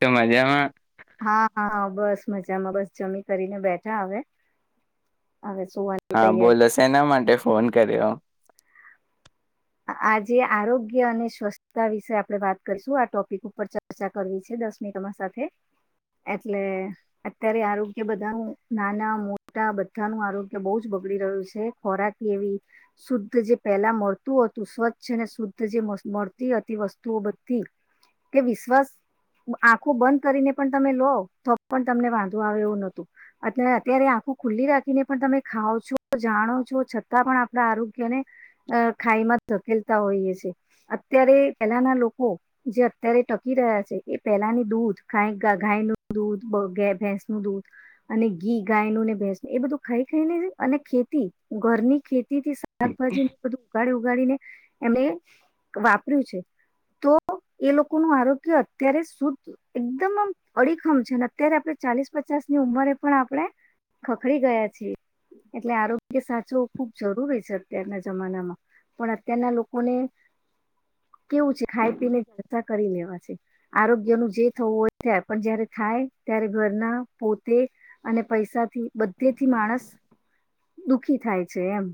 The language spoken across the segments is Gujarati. તો મજામાં હા હા બસ મજામાં બસ જમી કરીને બેઠા હવે હવે સુવાની હા તૈયારી બોલો સેના માટે ફોન કર્યો આજે આરોગ્ય અને સ્વચ્છતા વિશે આપણે વાત કરીશું આ ટોપિક ઉપર ચર્ચા કરવી છે દસ મિનીટ તમારી સાથે એટલે અત્યારે આરોગ્ય બધાનું નાના મોટા બધાનું આરોગ્ય બહુ જ બગડી રહ્યું છે ખોરાક એવી શુદ્ધ જે પેલા મળ હતું સ્વચ્છ અને શુદ્ધ જે મળતી હતી વસ્તુઓ બધી કે વિશ્વાસ આંખું બંધ કરીને પણ તમે લો તો પણ તમને વાંધો આવે એવું નોતું અને અત્યારે આંખું ખુલ્લી રાખીને પણ તમે ખાાવ છો જાણો છો છતાં પણ આપણા આરોગ્યને અ ખાઈમાં ધકેલતા હોઈએ છે અત્યારે પેલાના લોકો જે અત્યારે ટકી રહ્યા છે એ પહેલાની દૂધ ગાય નુ દૂધ કે ભેંસ નું દૂધ અને ઘી ગાયનું ને ભેંસ નું એ બધું ખાઈ ખાઈને અને ખેતી ઘરની ખેતી થી શાકભાજી બધું ઉગાડી ઉગાડીને એમને વાપર્યું છે તો એ લોકોનું આરોગ્ય અત્યારે શુદ્ધ એકદમ આમ અડીખમ છે અને અત્યારે આપણે ચાલીસ પચાસની ઉંમરે પણ આપણે ખખડી ગયા છીએ એટલે આરોગ્ય સાચવું ખૂબ જરૂરી છે અત્યારના જમાનામાં પણ અત્યારના લોકોને કેવું છે ખાઈ પીને જલસા કરી લેવા છે આરોગ્યનું જે થવું હોય એ થાય પણ જયારે થાય ત્યારે ઘરના પોતે અને પૈસાથી બધેથી માણસ દુખી થાય છે એમ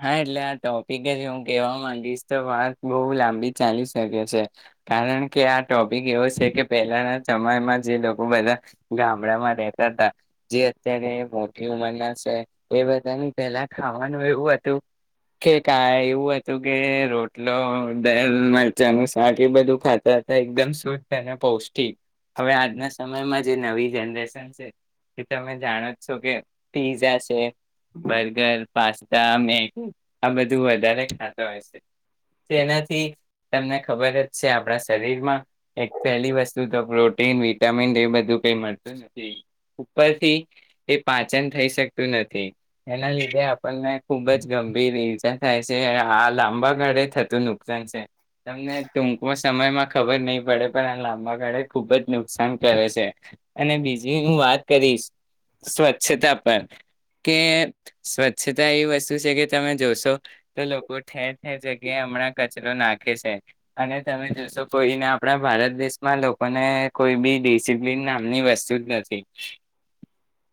હા એટલે આ ટોપિક જ હું કહેવા માંગીશ તો વાત બહુ લાંબી ચાલી શકે છે કારણ કે આ ટોપિક એવો છે કે પહેલાના સમયમાં જે લોકો બધા ગામડામાં રેતા હતા જે અત્યારે મોટી ઉંમરના છે એ બધાની પેલા ખાવાનું એવું હતું તો કે કાઈ એવું હતું કે રોટલો દલ મરચાંનું શાક એ બધું ખાતા હતા એકદમ શુદ્ધ અને પૌષ્ટિક હવે આજના સમયમાં જે નવી જનરેશન છે એ તમે જાણો જ છો કે પીઝા છે બર્ગર પાસ્તા આ બધું વધારે ખાતા હોય છે જેનાથી તમને ખબર જ છે આપણા શરીરમાં એક પહેલી વસ્તુ તો પ્રોટીન વિટામિન એ બધું કઈ મળતું નથી ઉપરથી એ પાચન થઈ શકતું નથી એના લીધે આપણને ખૂબ જ ગંભીર ઈર્જા થાય છે આ લાંબા ગાળે થતું નુકસાન છે તમને ટૂંકમાં સમયમાં ખબર નહી પડે પણ આ લાંબા ગાળે ખૂબ જ નુકસાન કરે છે અને બીજી હું વાત કરીશ સ્વચ્છતા પર કે સ્વચ્છતા એ વસ્તુ શું છે કે તમે જોશો તો લોકો ઠેર ઠેર જગ્યા હમણાં કચરો નાખે છે અને તમે જોશો કોઈને આપણા ભારત દેશમાં લોકોને કોઈ બી ડિસિપ્લિન નામની વસ્તુ જ નથી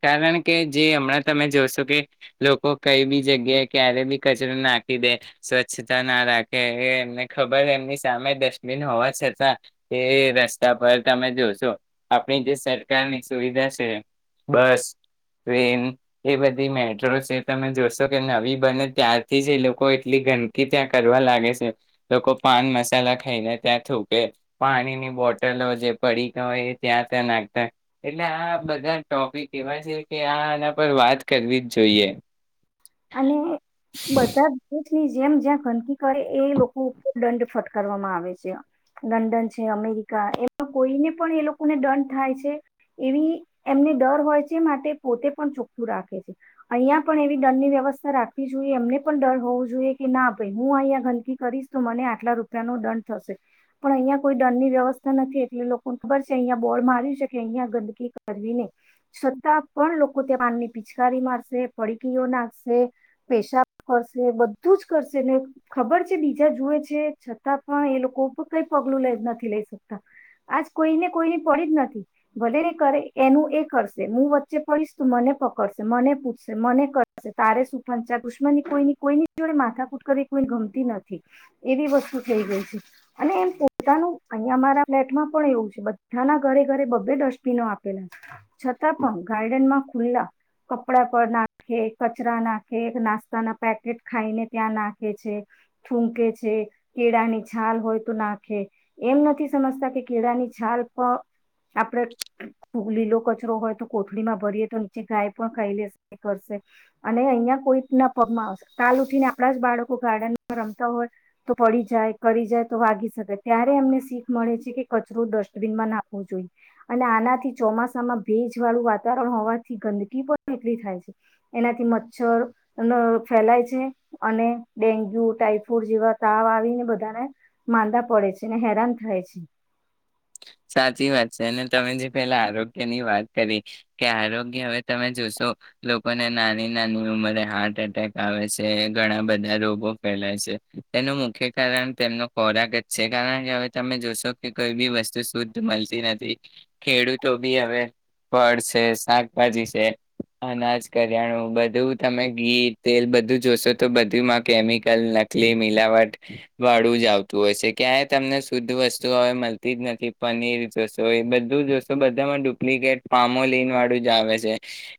કારણ કે જે હમણાં તમે જોશો કે લોકો કઈ બી જગ્યાએ ક્યારે બી કચરો નાખી દે સ્વચ્છતા ના રાખે એમને ખબર એમની સામે ડસ્ટબિન હોવા છતાં એ રસ્તા પર તમે જોશો આપણી જે સરકારની સુવિધા છે બસ ટ્રેન એ બધી મેટ્રો છે તમે જોશો કે નવી બને ત્યારથી જ એ લોકો એટલી ગંદકી ત્યાં કરવા લાગે છે લોકો પાન મસાલા ખાઈને ત્યાં થૂકે પાણીની બોટલો જે પડીકા હોય એ ત્યાં ત્યાં નાખતા એટલે આ બધા ટોપિક એવા છે કે આના પર વાત કરવી જ જોઈએ અને બધા ની જેમ જ્યાં ગંદકી કરે એ લોકો ઉપર દંડ ફટકારવામાં આવે છે લંડન છે અમેરિકા એમાં કોઈને પણ એ લોકોને દંડ થાય છે એવી એમને ડર હોય છે માટે પોતે પણ ચોખ્ખું રાખે છે અહિયાં પણ એવી દંડની વ્યકતી વ્યવસ્થા રાખવી જોઈએ એમને પણ ડર હોવો જોઈએ કે ના ભાઈ હું અહંયા ગંદકી કરીશ તો મને આટલા રૂપિયા નો દંડ થશે પણ અહીંયા કોઈ દંડની વ્યવસ્થા નથી એટલે લોકો ખબર છે અહિયાં બોર્ડ માર્યું છે કે અહીયાં ગંદકી કરવી નહીં ને છતાં પણ લોકો ત્યાં પાનની પિચકારી મારશે પડીકીઓ નાખશે કે પેશાબ કરશે બધું જ કરશે ને ખબર છે બીજા જુએ છે છતાં પણ એ લોકો કઈ પગલું લઈ નથી લઈ શકતા આજ કોઈને કોઈની પડી જ નથી ભલે એ કરે એનું એ કરશે હું વચ્ચે પડીશ તો મને પકડશે મને પૂછશે મને કરશે તારે સુ પંચાયત દુશ્મની કોઈની કોઈની જોડે માથાકૂટ કરી કોઈ ગમતી નથી એવી વસ્તુ થઈ ગઈ છે અને એમ પોતાનું અહીંયા અમારા ફ્લેટમાં પણ એવું છે બધાના ઘરે ઘરે બબે ડસ્ટબીનો આપેલા છતાં પણ ગાર્ડનમાં ખુલ્લા કપડા પર નાખે કચરા નાખે એક નાસ્તાના પેકેટ ખાઈને ત્યાં નાખે છે ઠુંકે કે છે કેળા ની છાલ હોય તો નાખે એમ નથી સમજતા કે કેળા ની છાલ પણ આપડે લીલો કચરો હોય તો કોથળીમાં ભરીએ તો નીચે ગાય પણ ખાઈ લેશે કરશે અને અહીયાં કોઈ ના પગમાં આવશે કાલે ઊઠીને આપણા જ બાળકો ગાર્ડનમાં રમતા હોય તો પડી જાય કરી જાય તો વાગી શકે ત્યારે એમને શીખ મળે છે કે કચરો ડસ્ટબિનમાં નાખવો જોઈએ અને આનાથી ચોમાસામાં ભેજ વાળું વાતાવરણ હોવાથી ગંદકી પણ એટલી થાય છે એનાથી મચ્છર ફેલાય છે અને ડેન્ગ્યુ ટાઈફોઇડ જેવા તાવ આવીને બધાને માંદા પડે છે અને હેરાન થાય છે સાચી વાત છે અને તમે જે પેલા આરોગ્ય ની વાત કરી કે આરોગ્ય હવે તમે જોશો લોકોને નાની નાની ઉંમરે હાર્ટ એટેક આવે છે ઘણા બધા રોગો ફેલાય છે તેનું મુખ્ય કારણ તેમનો ખોરાક જ છે કારણ કે હવે તમે જોશો કે કોઈ બી વસ્તુ તુ શુદ્ધ મળતી નથી ખેડૂતો બી હવે ફળ છે શાકભાજી છે અનાજ કરિયાણું બધું તમે ઘી તેલ બધું જોશો તો બધુંમાં કેમિકલ નકલી મિલાવટ વાળું જ આવતું હોય છે ક્યાંય તમને શુદ્ધ વસ્તુ હવે નથી પનીર જોશો એ બધું જોશો બધામાં ડુપ્લિકેટ પામોલીન વાળું જ આવે છે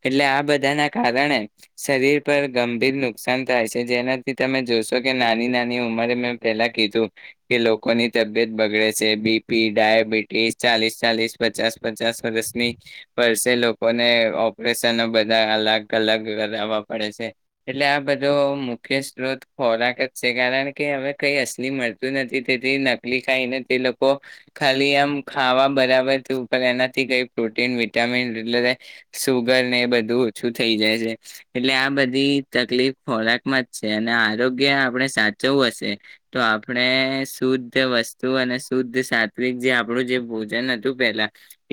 એટલે આ બધા ના કારણે શરીર પર ગંભીર નુકસાન થાય છે જેનાથી તમે જોશો કે નાની નાની ઉંમરે મેં પેલા કીધું કે લોકોની તબિયત બગડે છે બીમણતી પી ડાયાબિટીસ ચાલીસ ચાલીસ પચાસ પચાસ વર્ષની વર્ષે લોકોને ઓપરેશનો બધા અલગ અલગ કરાવવા પડે છે એટલે આ બધો મુખ્ય સ્ત્રોત ખોરાક જ છે કારણ કે હવે કઈ અસલી મળતું નથી તેથી નકલી ખાઈને તે લોકો ખાલી આમ ખાવા બરાબરું ઉપર એનાથી કઈ પ્રોટીન વિટામીન એટલે સુગર ને એ બધું ઓછું થઈ જાય છે એટલે આ બધી તકલીફ ખોરાકમાં જ છે અને આરોગ્ય આપણે સાચવું હશે તો આપણે શુદ્ધ વસ્તુ અને શુદ્ધ સાતવીક જે આપણું જે ભોજન હતું પેલા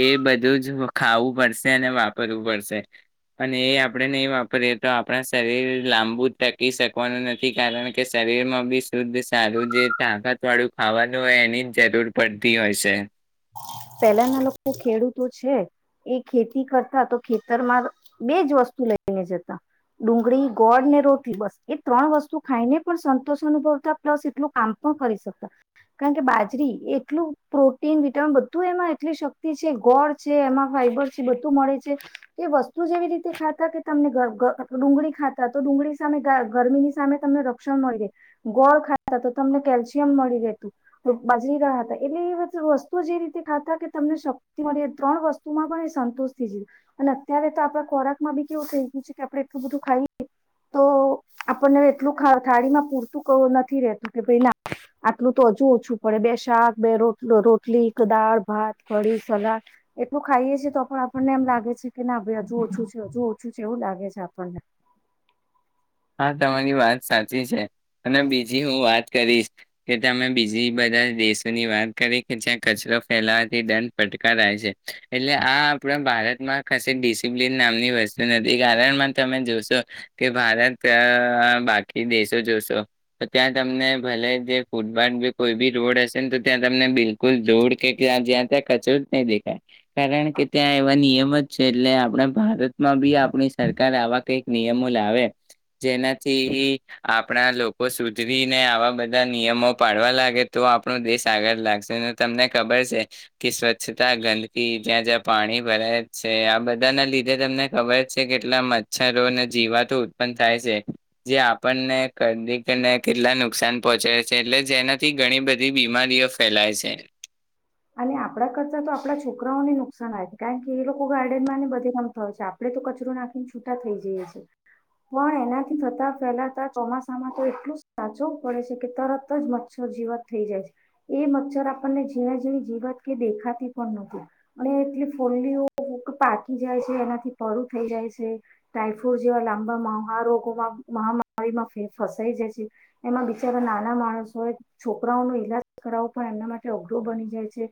એ બધું જ ખાવું પડશે અને વાપરવું પડશે અને એ આપણે નહી વાપરીએ તો આપણા શરીર લાંબુ ટકી શકવાનું નથી કારણ કે શરીર માં બી શુદ્ધ સારું જે તાકાત વાળું ખાવાનું હોય એની જરૂર પડતી હોય છે પહેલાના લોકો ખેડૂતો છે એ ખેતી કરતા તો ખેતરમાં બેજ વસ્તુ લઈને જતા ડુંગળી ગોળ ને રોટલી બસ એ ત્રણ વસ્તુ ખાઈને પણ સંતોષ અનુભવતા પ્લસ એટલું કામ પણ કરી શકતા કારણ કે બાજરી એટલું પ્રોટીન બધું એમાં એટલી શક્તિ છે ગોળ છે એમાં ફાઈબર છે બધું મળે છે કે વસ્તુ જે એવી રીતે ખાતા કે તમને ડુંગળી ખાતા તો ડુંગળી સામે ગરમીની સામે તમને રક્ષણ મળી રહે ગોળ ખાતા તો તમને કેલ્શિયમ મળી રહેતું બાજરીના હતા એટલે એધ વસ્તુ જે રીતે ખાતા કે તમને શક્તિ મળે ત્રણ વસ્તુમાં પણ એ સંતોષ થઈ જઈ અને અત્યારે તો આપડા ખોરાકમાં બી કેવું થઈ ગયું છે કે આપડણે એટલું બધું ખાઈએ તો આપણને એટલું થાળી માં પૂરતું નથી રતું કે ભાઈ ના આટલું તો હજુ ઓછું પડે બે શાક બે રોટલો રોટ ટલીક દાળ ભાત કડી સલાડ એટલું ખાઈએ છે તો પણ આપણને એમ લાગે છે કે ના ભાઈ હજુ ઓછું છે હજુ ઓછું છે એવું લાગે છે આપણને હા તમારી વાત સાચી છે અને બીજી હું વાત કરીશ કે તમે બીજી બધા દેશોની વાત કરી કે જ્યાં કચરો ફેલાવાથી દંડ પટકારાય છે એટલે આ આપણા ભારતમાં કસે ડિસિપ્લન નામની વસ્તુ નથી કારણમાં તમે જોશો કે ભારત અ બાકી દેશો જોશો તો ત્યાં તમને ભલે જે ફૂટપાથ કે કોઈ બી રોડ હશે ને તો ત્યાં તમને બિલકુલ દોડ કે્યા જ્યાં ત્યાં કચરો જ નહી દેખાય કારણ કે ત્યાં એવા નિયમ જ છે એટલે આપણે ભારતમાં બી આપણી સરકાર આવા કઈક નિયમો લાવે જેનાથી ઈ આપણા લોકો સુધરીને આવા બધા નિયમો પાડવા લાગે તો આપણો દેશ આગળ લાગશે અને તમને ખબર છે કે સ્વચ્છતા ગંદકી જ્યાં જ્યાં પાણી ભરાય છે આ બધા ના લીધે તમને ખબર છે કેટલા મચ્છરોને જીવાતો ઉત્પન થાય છે જે આપણને કદીને કેટલા નુકસાન પહોંચા છે એટલે જેનાથી ઘણી બધી બીમારીઓ ફેલાય છે અને આપણા કરતા તો આપડા છોકરાઓને નુકસાન આવે કારણ કે એ લોકો ગાર્ડનમાંને બધે રમતા હોય છે આપડણે તો કચરો નાખીને છૂટા થઈ જઈએ છે પણ એનાથી થતા ફેલાતા ચોમાસામાં તો એટલું સાચો પડે છે કે તરત જ મચ્છર જીવત થઈ જાય છે એ મચ્છર આપણને જીણે જીવી જીવત કે દેખાતી પણ નથી અને એટલી ફોડલીઓ પાકી જાય છે એનાથી પડું થઈ જાય છે ટાઈફોઇડ જેવા લાંબા મહા રોગોમાં મહામારીમાં ફસાઈ જાય છે એમાં બિચારા નાના માણસો હોય છોકરાઓનો ઈલાજ કરાવવો પણ એમના માટે અઘરો બની જાય છે એટલે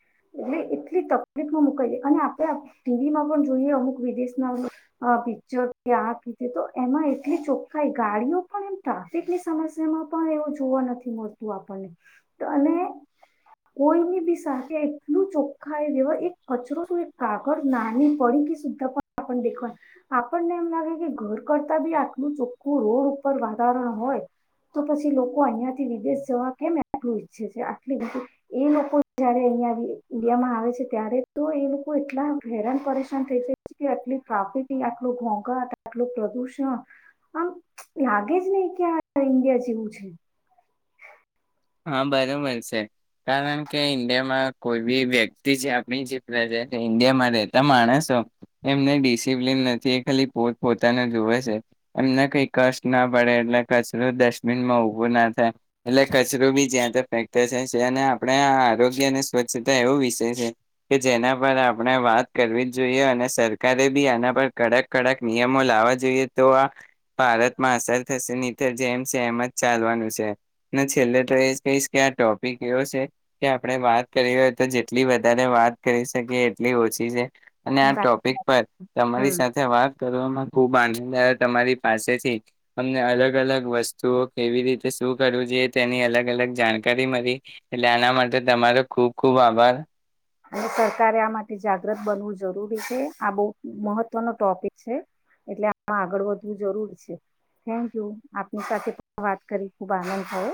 એટલી તકલીફમાં મુકાઈ દઈ અને આપણે ટીવીમાં પણ જોઈએ અમુક વિદેશના પિક્ચર આ રીતે તો એમાં એટલી ચોખ્ખાઈ ગાડીઓ પણ એમ ટ્રાફિકની સમસ્યામાં પણ એવું જોવા નથી મળતું આપણને અને કોઈની બી સાથે કે એટલું ચોખ્ખાય વ્યવસ્થિત એક કચરો શ કાગળ નાની પડીકી સુધા પણ આપ દેખવાય આપણને એમ લાગે કે ઘર કરતા બી આટલું ચોખ્ખું રોડ ઉપર વાતાારરણ હોય તો પછી લોકો અહિયાંથી વિદેશ જવા કેમ આટલું ઈચ્છે છે આટલી બી એ લોકો જયારે [inaudible] ઇન્ડિયામાં આવે છે ત્યારે તો એ લોકો એટલા હેરાન પરેશાન થઈ જાય છે કે અટલી ટ્રાફિક, આટલો ઘોંઘાટ, આટલું પ્રદુષણ આમ લાગે જ નહી કે આ ઇન્ડિયા જેવું છે. હહ બરોબર છે. કારણ કે ઈન્ડિયામાં કોઈ બી વ્યક્તિ જે આપણી જે પ્રજા ઈન્ડિયામાં રહેતા માણસો એમને ડિસિપ્લિન નથી. એ ખાલી પોત પોતાના જુવે છે. એમને કઈ કષ્ટ ના પડે એટલે કચરો ડસ્ટબિનમાં ઉભો ના થાય એટલે ક કચરો બી જ્યાં ત્યાં ફેકતા છે. અને આપણે આ આરોગ્ય અને સ્વચ્છતા એવો વિષય છે કે જેના પર આપણે વાત કરવી જ જોઈએ. અને સરકારે બી આના પર કડક કડક નિયમો લાવવા જોઈએ તો આ ભારતમાં અસર થશે ની તે જેમ સે એમ જ ચાલવાનું સે. ને છે છેલ્લે તો એ જ કહીશ કે આ ટોપિક એવો છે કે આપણે વાત કરી હોય તો જેટલી વધારે વાત કરી શકીએ એટલી ઓછી છે. અને આ ટોપિક પર તમારી હમ સાથે વાત કરવામાં ખુબ આનંદ આયો તમારી પાસેથી તમને અલગ અલગ વસ્તુઓ કેવી રીતે શું કરવું જોઈએ તેની અલગ અલગ જાણકારી મલી એટલે આના માટે તમારો ખુબ ખુબ આભાર. અને સરકારે આ માટે જાગ્રત બનવું જરૂરી છે. આ બહુ મહત્વનો ટોપિક છે. એટલે આમાં આગળ વધવું જરૂરી છે. થેન્ક યુ આપની સાથે પણ વાત કરી ખુબ આનંદ થયો.